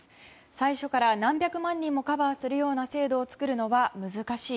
最初から何百万人もカバーするような制度を作るのは難しい。